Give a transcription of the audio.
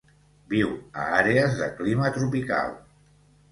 Viu a àrees de clima tropical.